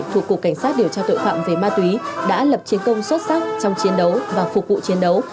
thuộc cục cảnh sát điều tra tội phạm về ma túy đã lập chiến công xuất sắc trong chiến đấu và phục vụ chiến đấu